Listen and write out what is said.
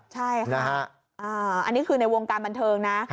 ใช่ค่ะอันนี้คือในวงการบันเทิงนะ